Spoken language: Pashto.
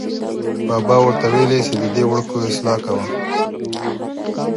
بابا ور ته ویلې چې ددې وړکو اصلاح کوه.